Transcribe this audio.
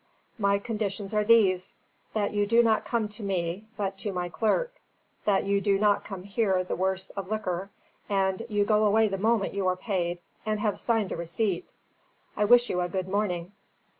My conditions are these: that you do not come to me, but to my clerk; that you do not come here the worse of liquor; and you go away the moment you are paid and have signed a receipt. I wish you a good morning."